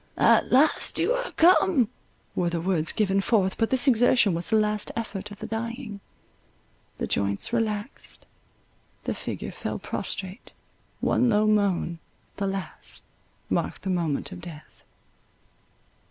—"At last you are come!" were the words given forth—but this exertion was the last effort of the dying—the joints relaxed, the figure fell prostrate, one low moan, the last, marked the moment of death.